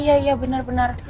iya iya benar benar